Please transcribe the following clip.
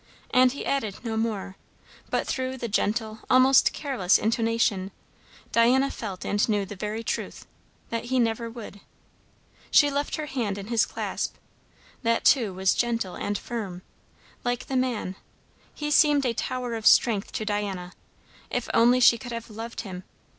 And he added no more, but through the gentle, almost careless intonation, Diana felt and knew the very truth, that he never would. She left her hand in his clasp; that too was gentle and firm, like the man; he seemed a tower of strength to Diana. If only she could have loved him!